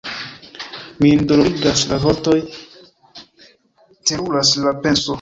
Min dolorigas la vortoj, teruras la penso!